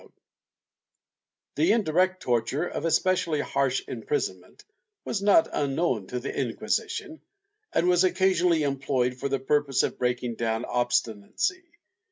4 TORTURE [Book VI The indirect torture of especially harsh imprisonment was not unknown to the Inquisition, and was occasionally employed for the purpose of breaking down obstinacy.